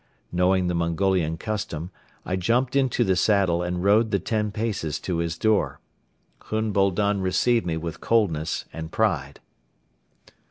Knowing the Mongolian custom, I jumped into the saddle and rode the ten paces to his door. Hun Boldon received me with coldness and pride.